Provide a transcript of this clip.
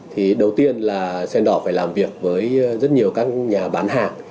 thì đầu tiên là sendor phải làm việc với rất nhiều các nhà bán hàng